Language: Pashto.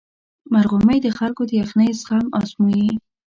مرغومی د خلکو د یخنۍ زغم ازمويي.